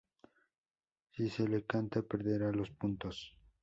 Si se le canta perderá los puntos.